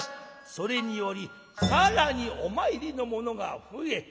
「それにより更にお参りの者が増え